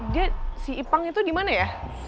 dia si ipang itu di mana ya